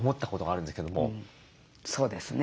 そうですね。